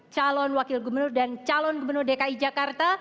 calon wakil gubernur dan calon gubernur dki jakarta